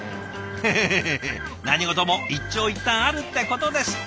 フフフフフ何事も一長一短あるってことです。